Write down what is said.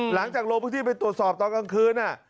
หลังจากลงพื้นที่ไปตรวจสอบตอนกลางคืน